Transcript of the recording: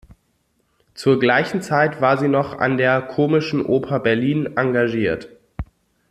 Zur gleichen Zeit war sie noch an der Komischen Oper Berlin engagiert.